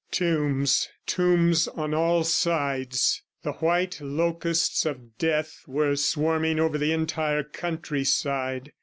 Tombs ... tombs on all sides! The white locusts of death were swarming over the entire countryside.